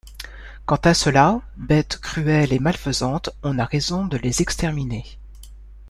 Quant à ceux-là, bêtes cruelles et malfaisantes, on a raison de les exterminer.